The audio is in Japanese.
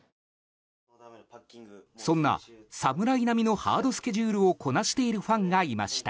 そんな侍並みのハードスケジュールをこなしているファンがいました。